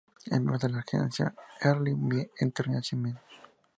Es miembro de la agencia "Early Bird Entertainment".